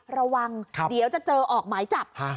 ระวังเดี๋ยวจะเจอออกหมายจับ